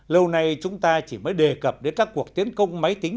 lâu nay chúng ta chỉ mới đề cập đến các cuộc tiến công máy tính